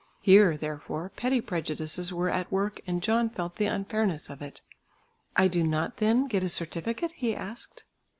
Here, therefore, petty prejudices were at work and John felt the unfairness of it. "I do not then get a certificate?" he asked.